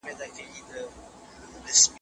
تاسو نه سئ کولای د بل چا حقوق پټ کړئ.